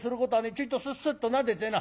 ちょいとスッスッとなでてな。